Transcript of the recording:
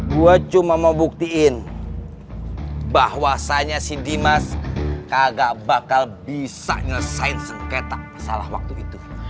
gua cuma mau buktiin bahwasanya si dimas kagak bakal bisa ngelesain sengketa masalah waktu itu